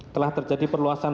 telah terjadi perluasan